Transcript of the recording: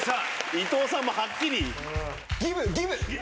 伊藤さんもはっきり。